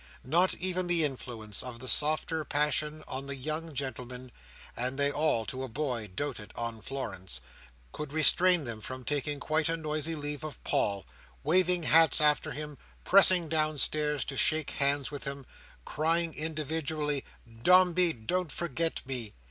Not even the influence of the softer passion on the young gentlemen—and they all, to a boy, doted on Florence—could restrain them from taking quite a noisy leave of Paul; waving hats after him, pressing downstairs to shake hands with him, crying individually "Dombey, don't forget me!"